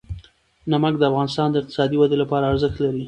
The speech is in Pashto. نمک د افغانستان د اقتصادي ودې لپاره ارزښت لري.